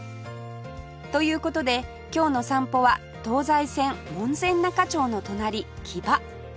という事で今日の散歩は東西線門前仲町の隣木場